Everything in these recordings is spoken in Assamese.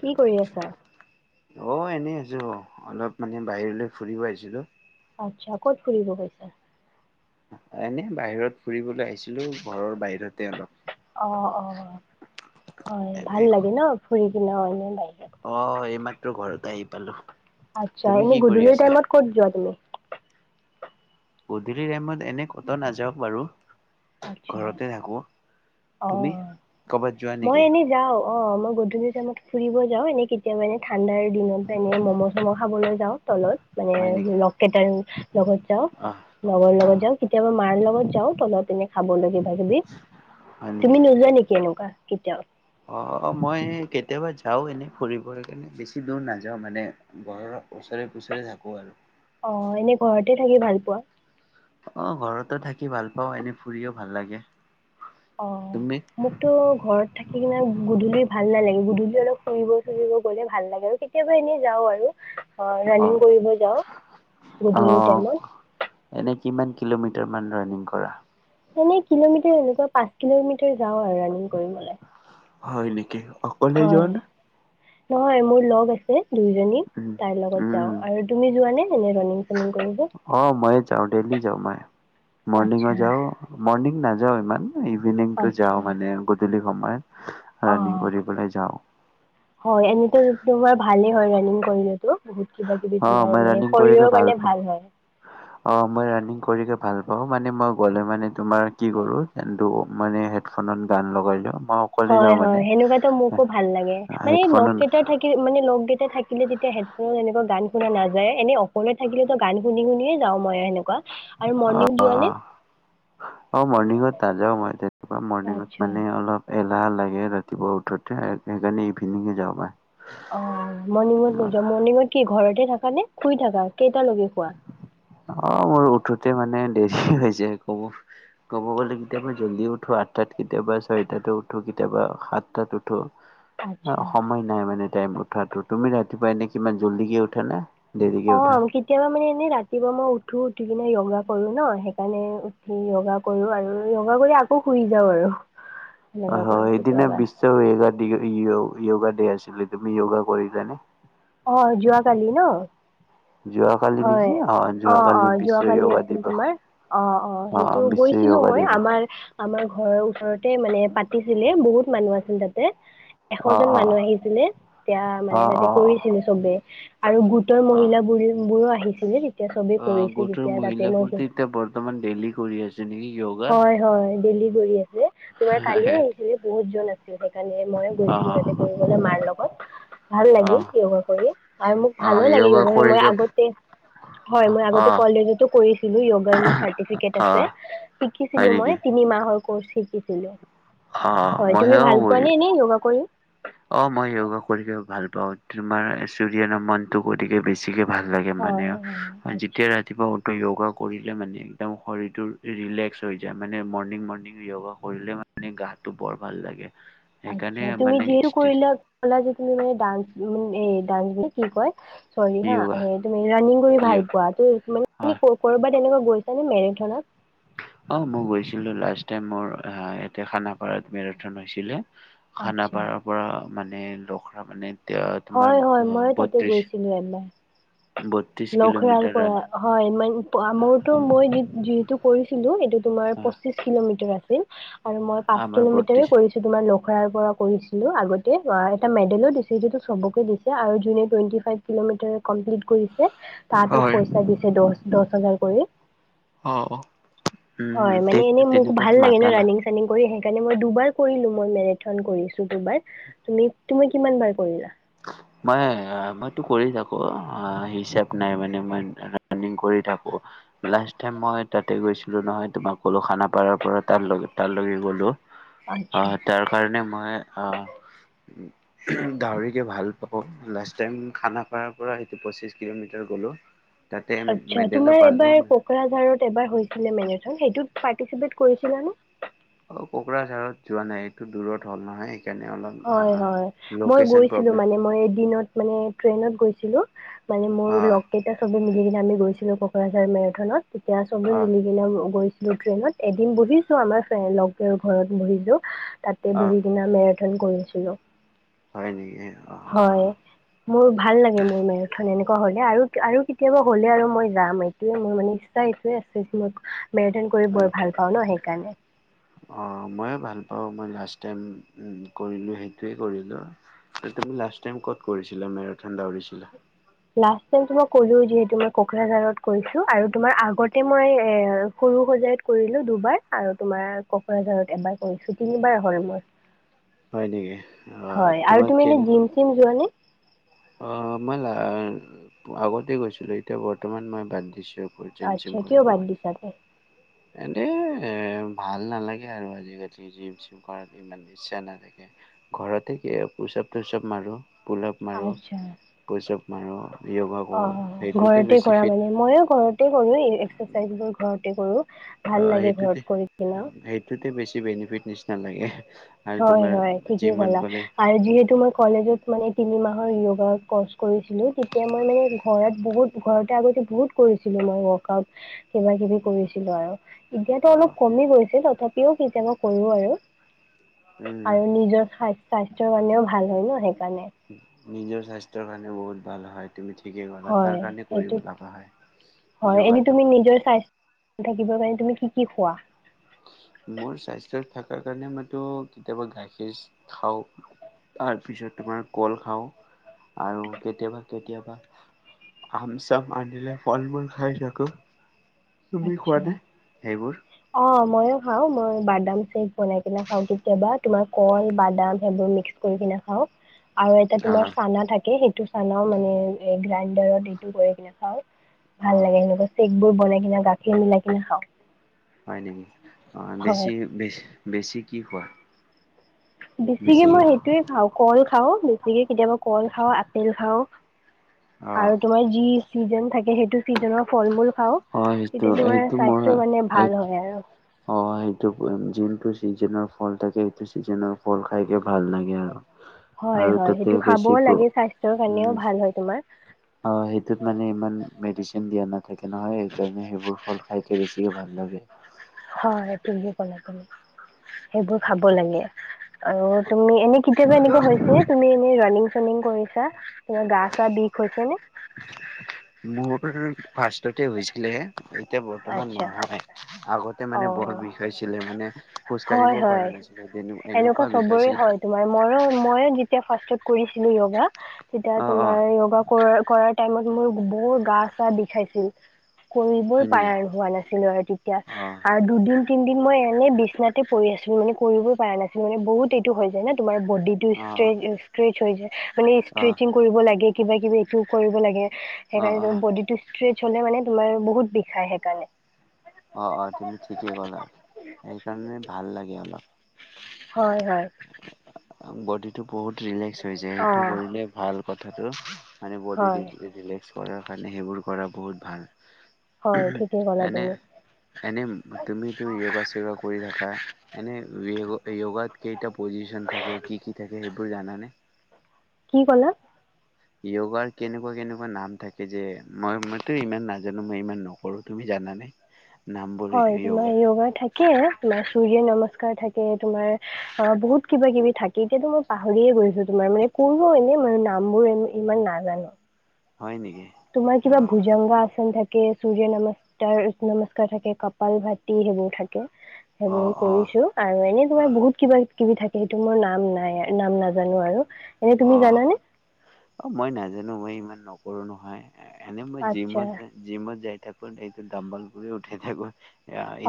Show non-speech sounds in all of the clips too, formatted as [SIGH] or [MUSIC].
কি কৰি আছা? অ এনেই আছো অ অলপ মানে বাহিৰলৈ ফুৰিব আহিছিলো। আচ্ছা ক'ত ফুৰিব গৈছা। এনে বাহিৰত ফুৰিবলৈ আহিছিলো ঘৰৰ বাহিৰত অ অ হয় ভাল এনে লাগে ন ফুৰি। [UNINTELLIGIBLE] অ এইমাত্ৰ ঘৰত আহি পালো। আচ্ছা তুমি এনে কি কৰি গধূলিৰ আছা টাইমত ক'ত যোৱা তুমি। গধূলি টাইমত এনে কত নাযাওক বাৰু। আচ্ছা ঘৰতে থাকো অ তুমি কৰ'বাত যোৱা মই নেকি এনেই যাও। অ মই গধূলি টাইমত ফুৰিব যাও এনে কেতিয়াবা এনে ঠাণ্ডাৰ দিনত এনে ম'ম চম খাবলে যাওঁ তলত মানে হয় নেকি লগকেইটাৰ লগত যাওঁ আহ লগৰ লগত আহ যাওঁ কেতিয়াবা মাৰ লগত যাও তলত এনে বোলো কিবা হয় কিবিত নেকি তুমি নোযোৱা নেকি এনেকুৱা কেতিয়াও অ মই কেতিয়াবা যাওঁ এনেই ফুৰিবৰ কাৰনে বেছি দূৰ নাযাওঁ মানে ঘৰৰ ওচৰে পুজৰে থাকো আৰু [UNINTELLIGIBLE] অ এনে ঘৰতে থাকি ভাল পোৱা অ ঘৰতো থাকি ভাল পাও এনে ফুৰিও ভাল লাগে। অ তুমি মোকতো ঘৰত থাকি কিনে গধূলি ভাল নালাগিব গধূলি অলপ ফুৰিব ফুৰিব গলে ভাল লাগে আৰু কেতিয়াবা এনেই যাও আৰু অ অ ৰাণিং কৰিব যাওঁ গোধূলি অ টাইমত এনে কিমান কিলোমিটাৰমান ৰানিং কৰা? এনে কিলোমিটাৰ এনেকুৱা পাঁচ কিলোমিটাৰ যাওঁ আৰু ৰাণিং কৰিবলে হয় নেকি অকলে যোৱা নে? নহয় মোৰ লগ আছে। দুইজনী উম তাৰ লগত উম যাওঁ আৰু তুমি যোৱা নে? অ মই যাওঁ দেলী যাওঁ মই মৰ্নিং আচ্ছা যাওঁ মনি নাযাওঁ ইমান। ইভিনিং টো যাও আচ্ছা মানে গধূলি গমাই অ হয় এনেতো তোমাৰ ভালেই। হয় ৰানিং কৰিলে বহুত কিবা কিবি অ তোমাৰ মই মানে ৰানিং কৰিকে শৰীৰৰ কাৰণে পাওঁ। ভাল হয়। অ মই ৰানিং কৰিকে ভাল পাওঁ মানে মই গ'লে মানে তোমাৰ কি কৰোঁ কিন্তু মানে হেডফোনত গান লগাই লওঁ। মই অকলে হয় যাওঁ মানে। হয় সেনেকুৱাতো মোকো ভাল লাগে মানে হেডফোনত লগকেইটা থাকি মানে লক গে থাকিলে তেতিয়া হেডফোনত এনেকুৱা গান শুনা নাযায় এনে অকলে থাকিলেতো গান শুনি শুনিয়ে যাওঁ মই সেনেকুৱা আৰু অ মৰ্ণিং যোৱানে অ মৰ্ণিঙত নাযাও মই তেনেকুৱা মৰ্ণঙত আচ্ছা মানে অলপ যাহ লাগে ৰাতিপুৱা উঠোঁতে সেইকাৰণে ইভিনিঙে যাব পাও অ মৰ্ণিঙত নোযোৱা মৰ্ণিঙত কি ঘৰতে তে থাকা নে শুই থাকা কেইটা লগে হোৱা অ মোৰ উঠোতে মানে দেৰি হৈছে যায় কব গলে কেতিয়াবা জল্দি উঠো আঠটাত কেতিয়াবা ছয়টাত উঠো কেতিয়াবা সাতটাত উঠো। অ আচ্ছা সময় নাই মানে। ছেম উঠাটো তুমি ৰাতিপুৱাই নে কিমান জলদীকে উঠা নে? দেৰিকে অ উঠা কেতিয়াবা মানে এনেই ৰাতিপুৱা মই উঠ উঠো উঠি কিনে য়গা কৰো ন সেইকাৰণে উঠি য়গা কৰো আৰু য়গা কৰি আকৌ শুই যাওঁ আৰু। সেনেকুৱা অহ কৰোঁ হয় সেইদিনা কেতিয়াবা বিশ্ব পৰিৱেশ [UNINTELLIGIBLE] য়গা ডে আছিলে ।তুমি য়গা কৰিছানে? অহ যোৱা কালি ন যোৱাকালি হয় নেকি অ অ যোৱাকালি বিশ্ব যোৱাকালি য়োগা আছিল দিৱস তোমাৰ অ অ সেইটো বিশ্ব গৈছিলো য়োগা মই দিৱস আমাৰ আমাৰ ঘৰৰ ওচৰত তে মানে পাতিছিলে বহুত মানুহ আছিল তাতে এশ অ', জন অ', মানুহ আহিছিলে এতিয়া মানে অ', তাতে অ', কৰিছিলে চবে আৰু গোটৰ অ', মহিলা বোৰ মোৰো আহিছিলে নি? অ গোটৰ মহিলা বোৰ তেতিয়া বৰ্তমান ডেইলি কৰি আছে নেকি য়োগা? হয় হয় ডেলি কৰি আছে। তোমাৰ কালিও আহিছিলি বহুত জন আছিল। সেইকাণে মই গৈছিলো অ', তাতে কৰিলে মাৰ লগত ভাল লাগিল অ', য়গা কৰি আৰু মোক ভালো অ', লাগীল য়োগা য়গা কৰি মই আগতে হয় মই আগতেও অ', কলেজতো কৰিছিলো য়গাৰ মোৰ চাৰটিফিকেট আছে। অ', হয় শিকিছিলো মই নেকি? তিনি মাহৰ কউচ' শিকিছিলো অ', হয় তুমি মইও ভাল পোৱা কৰি নে এনে য়গা কৰি? অ মই য়গা কৰিক ভাল পাওঁ তোমাৰ চৰিয় নমণ টো কৰিকে বেছিকে ভাল লাগে হয় মানে হয় আচ্ছা। যেতিয়া ৰাতিপুৱা উ- প্ৰি য়োগা কৰিলে মানে একদম শৰীৰটোৰ ৰিলেক্স হৈ যায় মানে মৰ্ণিং মৰ্ণিং য়োগা কৰিলে মানে গাটো বৰ ভাল লাগে। সেইকাৰণে আচ্ছা তুমি যিহেতু মানে পুৰিলক কলা যে তুমি মানে ডান্স [UNINTELLIGIBLE] দান নে কি কয় চৰি হা য়োগা হে তুমি ৰাণিং কৰি ভাল য়োগ পোৱা ত মানে হয় ক কৰবাত তেনেকুৱা গৈছেনে মেৰেথনত অ মই গৈছিলো লাষ্ট টাইম মোৰ আ ইয়াতে খানাপাৰাত মেৰাথন হৈছিলে। আচ্ছা খানাপাৰাৰ পৰা মানে লখৰা মানে তে- তোমাৰ হয় হয় মই তাতে বত্ৰিশ গৈছিলো এবাৰ। বত্ৰিশ লখৰাৰ কিলোমিটাৰ ৰাণ পৰা হয় মই মোৰতো মই যিহেতু কৰিছো ছিলো এইটো তোমাৰ পঁচিশ কিলোমিটাৰ আছে উ [UNINTELLIGIBLE] আৰু মই পাঁচ আমাৰ কিলোমিটাৰ বত্ৰিশ কৰিছো তোমাৰ লগ ৰ [INAUDIBLE] পৰা কৰিছিলো আগতে লৰা এটা মেডেলো দিছে যিটো চবকে দিছে আৰু যোনে টুৱেণ্টি ফাইভ কিলোমিটাৰ কমপ্লিট কৰিছে তাতো হয় পইচা দিছে দহ দহ হাজাৰ কৰে অ অ উম হয় তে মানে এনেই মোক তেনেকুৱাত ভাল লাগে ন মাতা না ৰাণিং চানিং কৰি সেইকাৰণে মই দুবাৰ কৰিলো মই মেৰেথন কৰিছো দুবাৰ তুমি তুমি কিমান বাৰ কৰিলা মই মইতো কৰি থাকো হিচাপ নাই মানে মই ৰানিং কৰি থাকো লাষ্ট টাইম মই তাতে গৈছিলো নহয় তোমাক কলো খানাপাৰাৰ পৰা তাৰ লৈকে তাৰ লৈকে গলো অ আচ্ছা তাৰ কাৰণে মই অ গাহৰিকে ভাল লাষ্ট টাইম খানাপাৰৰ পৰা হয়টো পঁচিশ কিলোমিটাৰ গলো তাতে আচ্ছা মেডেলো তোমাৰ পালোঁ এবাৰ অ কোকৰাঝাৰত এবাৰ হৈছিলে মেৰেথন সেইটোত পাৰ্টিচিপেট কৰিছিলা নে অ কোকৰাঝাৰত যোৱা নাই এইটো দূৰত হ'ল নহয় সেইকাৰণে অলপ হয় হয় আহ মই লোকেশ্যন গৈছিলো প্ৰব্লেম মানে মই এদিনত মানে ট্ৰেইনত গৈছিলো মানে মোৰ আহ লগকেইটা সবে মিলিকিনে আমি গৈছিলো কোকৰাঝাৰ মেৰেথনত তেতিয়া চবে আহ মিলিকিনে গৈছিলোঁ ট্ৰেইনত এদিন বহিছো আমাৰ ফ্ৰেণ্ড লগে ঘৰত বহিছো তাতে আহ বহি কিনে আমি [INAUDIBLE] কৰিছিলো হয় নেকি হয় আহ মোৰ ভাল লাগে মোৰ মেৰেথন এনেকুৱা হলে আৰু আৰু কেতিয়াবা হ'লে আৰু মই যাম এইটোয়ে মোৰ মানে ইচ্ছা এইটোয়ে আছে ম মেৰিথন কৰি হয় বৰ নেকি? ভাল পাওঁ ন স কাৰণে অ মইও ভাল পাওঁ মই লাষ্ট টাইম কৰিলো সেইটোৱে কৰিলো তুমি লাষ্ট টাইম ক'ত কৰিছিলা মেৰাথন দৌৰিছিলা লাষ্টতে কলো যিহেতু মই কোকৰাঝাৰত কৈছো আৰু তোমাৰ আগতে মই এ সৰু সজাইত কৰিলো দুবাৰ আৰু তোমাৰ কোকৰাঝাৰত এবাৰ কৰিছো তিনিবাৰ হল মই হয় নেকি অহ তোমাৰ এনে কেনেকুৱা জিম চিম যোৱানে অ মই ল আগতে গৈছিলো এতিয়া বৰ্তমান মই বাদ দিছো জিম চিম আচ্ছা কিয় কৰিব বাত দিছা এনে এ ভাল নালাগে আৰু আজিকালি জিম চিম কৰাত ইমান ইচ্ছা নাথাকে ঘৰতে কি পুচাপ তুচাপ মাৰো পুলাপ মাৰো আছা পুচাপ মাৰো। য়োগা অ কৰো সেইটোতে ঘৰতে বেছি কৰা ফিট মানে মইও ঘৰতে কৰো এই এক্সাৰচাইজ বোৰ ঘৰতে কৰো অ সেইটোতে, সেইটোতে বেছি বেনিফিট নিশ্চ নালাগে। হয় হয় ঠিকেই ক'লাআৰু যিহেতু মই কলেজত মানে তিনিমাহ হয় য়গাৰ কৰ্চ কৰিছিলোঁ। তেতিয়া মানে ঘৰত বহুত, ঘৰতে আগতে বহুত কৰিছিলোঁ মই ৱৰ্ক আউট, কিবা কিবি কৰিছিলোঁ আৰু। এতিয়াতো অ' অলপ কমি গৈছে তথাপি কেতিয়াবা কেতিয়াবা কৰো আৰু। উম আৰু নিজৰ স্বাস্থ স্থ্য কাৰনেও ভাল হয় ন সেইটো। নিজৰ স্বাস্থ্যৰ কাৰণে বহুত ভাল হয়। তুমি ঠিকেই কল হয় তাৰ কাৰণে সেইটো কৰিব লগা হয় য়গাটো। স্থ্য থাকিবৰ কাৰণে তুমি কি কি খোৱা? মোৰ স্বাস্থ্য থকাৰ কাৰণে মইটো, কেতিয়াবা গাখীৰ খাওঁ, তাৰ পিছত তোমাৰ কল খাওঁ আৰু কেতিয়াবা কেতিয়াবা আম চাম আনিলে ফল মূল খাই থাকো। তুমি খোৱা আচ্ছা নে সেইবোৰ অ মইয়ো খাওঁ। মই বাদাম চেক বনাই কিনে খাওঁ কেতিয়াবা তোমাৰ কল, বাদাম সেইবোৰ মিক্স কৰি কিনে খাওঁ। আৰু এটা তোমাৰ আহ চানা থাকে সেইটো এইটো চানাও মানে এই গ্ৰাইণ্ডাৰত এইটো কৰি কিনে খাওঁ। ভাল আহ লাগে সেনেকে চেইক ব বনাই কিনে গাখীৰ মিলাই কিনে খাওঁ। হয় নেকি? অঁ হয়। বেছি বেছ বেছি কি খোৱা? বেছিকে বেছি মই সেইটোয়ে খাওঁ। কল খাও বেছিকে কেতিয়াবা কল খাওঁ, আপেল খাওঁ অ আৰু তোমাৰ যি চিজন থাকে সেইটো ছিজনৰ ফল মূল খাওঁ। অ সেইটো তেতিয়া তোমাৰ সেইটো মই স্বাস্থ্য মানে ভাল হয় আৰু। অ সেইটো যোনটো চিজনৰ ফল থাকে, সেইটো চিজনৰ ফল খাইকে ভাল লাগে আৰু। হয়, আৰু হয়, তাতে সেইটো খাবও বেছি লাগে স্বাস্থ্যৰ কাৰণেও উম, ভাল হয় তোমাৰ। সেইটোত মানে ইমান মেডিচিন দিয়া নাথ তাকে নহয় সেইকাৰণে সেইবোৰ ফল খাইকে বেছিকে ভাল লাগে। হয় এইটো [INAUDIBLE] [UNINTELLIGIBLE] সেইবোৰ খাব লাগে আৰু তুমি এনে কেতিয়াবা এনেকুৱা হৈছে তুমি এনে ৰাণং চুমিং কৰিছা তোমাৰ গা চা বিষ হৈছে নে মোৰ ফাৰ্ষ্টতে হৈছিলে হে তেয়া বৰ্তমান আচ্ছা নোহ হয় আগতে [UNINTELLIGIBLE] অ মানে বৰ বিষাইছিলে মানে খোজ হয় কাঢ়িবও পৰা হয় নাছিলে এনেকুৱা বিষাইছিলে ফাৰ্ষত কৰিছিলো য়োগা [UNINTELLIGIBLE] তেতিয়া অ অ তোমাৰ য়োগা কৰ কৰা টাইমত মোৰ বৰ গা চা বি খাইছিল কৰিবই হয় নেকি পাৰণ হোৱা নাছিলো আৰু তেতিয়া অ আৰু দু তিদিন মই এনে বিছনাতে প পৰি আছিলো মানে কৰিব পৰা নাছিল মানে বহুত এইটো হৈ যায় না তোমাৰ বডি অ টোষ্ট্ৰষ্ট্ৰে কি হৈ যায় মানে অ ষ্ট্ৰেচিং কৰিব লাগে কিবা কিবি এইটোও কৰিব লাগে অ সেইকাৰণে অ বডি টো হলে মানে তোমাৰ বহুত বিষ সেইকাৰণে অ অ তুমি ঠিকে ক'লা সেইকাৰণে ভাল লাগে অলপ হয় হয় বডিটো বহুত ৰিলেক্স হৈ যায় অ সেইটো কৰিলে ভাল কথাটো মানে বডি দি হয় [UNINTELLIGIBLE] পাছ কৰাৰ কাৰণে সেইবোৰ কৰা বহুত হয় ভাল ঠিকেই ক'লা এনে তুমি এনে তুমি তুমি য়গা চয়গা কৰি থাকা এনে য়োগাত কেইটা পজিশন থাকে কি কি থাকে সেইবোৰ জান নে কি কলা য়োগাৰ কেনেকুৱা কেনেকুৱা নাম থাকে যে মই মইতো ইমান নাজানো মই ইমান নকৰো তুমি জানানে নামবোৰ হয় তোমাৰ য়োগাৰ য়োগা থাকে তোমাৰ সূৰ্য নমস্কাৰ থাকে তোমাৰ অ বহুত কিবা কিবি থাকে এতিয়াতো মই পাহৰিয়ে গৈছো তোমাৰ মানে কোনো এনে মান নামবোৰ ইমান নাজানো হয় নেকি তোমাৰ অ কিবা ভুজাংগা আছে থাক ে সূৰ্য নমস্ নমস্কাৰ থাকে কপাল ভাতি সেইবোৰ থাকে [UNINTELLIGIBLE] অ সেইবোৰ অ কৰিছো আৰু এনেই অ তোমাৰ বহুত কিবা। কিবি থাকে সেইটো মোৰ নাম নাই নাম নাজানো আৰু। [UNINTELLIGIBLE] অ, তুমি জানানে অ মই নাজানো মই। ইমান নকৰো নহয়। এনে মই আচ্ছা জিমত জিমত যাই। থাকোন এইটো ডাম্বাল কৰি উঠে থাকো।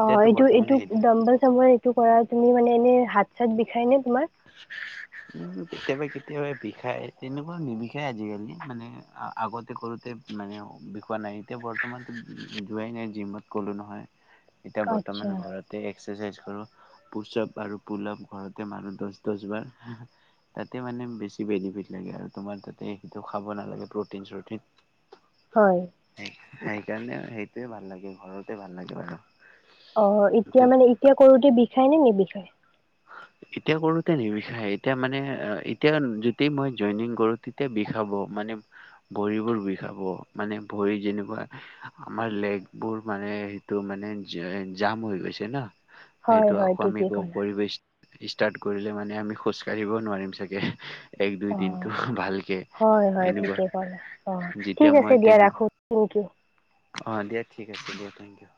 অ এইটো বৰ্তমান এইটো সেইটো দম্বল চম এইটো কৰা তুমি মানে এনে হাত। পছাত বিষায় নে তোমাৰ। উম কেতিয়াবা কেতিয়াবা বিষায়। তেনেকুৱা নিবিষায় আজিকালি মানে আগতে কৰোঁতে মানে বিষোৱা নাই এতিয়া বৰ্তমানতো যোৱাই নাই জিমত ক'লোঁ নহয়। এতিয়া বৰ্তমান আচ্ছা ঘৰতে। এক্সাৰচাইজ কৰো পুচপ আৰু পোলপ ঘৰতে মানুহ দহ দহ বাৰ। তাতে মানে বেছি বেনিফিট লাগে আৰু তোমাৰ তাতেইটো খাব নালাগে প্ৰটিন চিন। হয়। সেইকাৰণে সেইটোৱে ভাল লাগে ঘৰতে ভাল লাগে আৰু। অ এতিয়া মানে এতিয়া কৰোতে বিষাই নে নি বিষাই। এতিয়া কৰোতে নিবিষায় এতিয়া মানে এতিয়া যতি মই জইনিং কৰো তেতিয়া বিষাব মানে, ভৰিবোৰ বিষাব মানে ভৰি যেনেুৱা আমাৰ লেগবোৰ মানে সেইটো মানে জাম হৈ গৈছে ন। হয় সেইটো হয় আকৌ আমি ঠিকেই ক ক'লা। কৰিবচ। [UNINTELLIGIBLE] ষ্টাৰ্ট কৰিলে মানে আমি খোজ কাঢ়িব নোৱাৰিম চাগে। এক দুই অ দিনটো ভালকে হয় হয় এনেকুৱা ঠিকে ক অ ঠিক, যেতিয়া আছে মই দিয়া তেনে ৰাখো থেংক ইউ। অ দিয়া ঠিক আছে দিয়া থেংক ইউ।